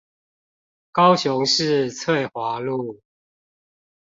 高雄市翠華路